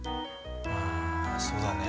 ああそうだね。